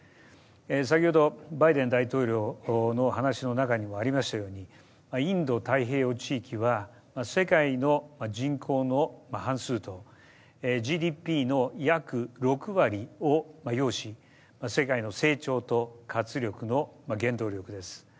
先ほど、バイデン大統領の話の中にもありましたようにインド太平洋地域は世界の人口の半数とＧＤＰの役６割を要し、世界の成長と活力の原動力です。